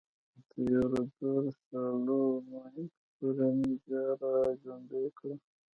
تیوودروس سالومونیک کورنۍ بیا را ژوندی کړه.